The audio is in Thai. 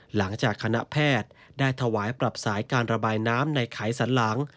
หลังจากคณะแพทย์ได้ถวายปรับสายการระบายน้ำในไขสันหลัง